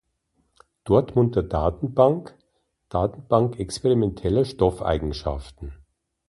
Dortmunder Datenbank: Datenbank experimenteller Stoffeigenschaften